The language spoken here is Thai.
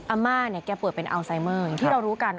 อัมมาแกเปิดเป็นอัลไซเมอร์อย่างที่เรารู้กัน